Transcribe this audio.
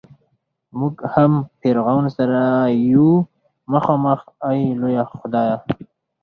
مونږ هم فرعون سره یو مخامخ ای لویه خدایه.